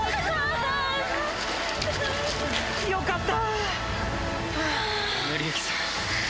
よかった！